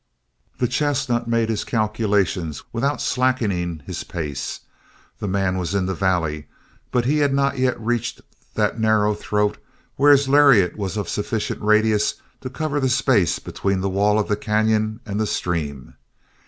The chestnut made his calculations without slackening his pace. The man was in the valley, but he had not yet reached that narrow throat where his lariat was of sufficient radius to cover the space between the wall of the cañon and the stream.